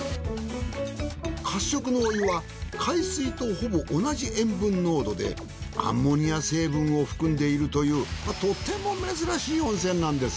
褐色のお湯は海水とほぼ同じ塩分濃度でアンモニア成分を含んでいるというとても珍しい温泉なんです。